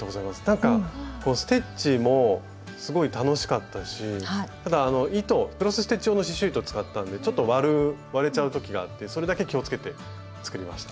なんかステッチもすごい楽しかったしただ糸クロスステッチ用の刺しゅう糸を使ったんでちょっと割れちゃう時があってそれだけ気をつけて作りました。